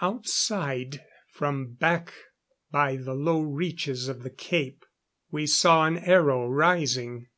Outside, from back by the low reaches of the Cape, we saw an aero rising.